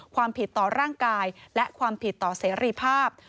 ความผิดต่อร่างกายและความผิดต่อเสรีภาพ